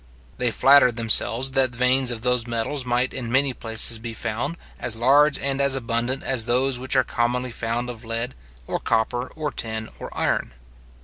They flattered themselves that veins of those metals might in many places be found, as large and as abundant as those which are commonly found of lead, or copper, or tin, or iron.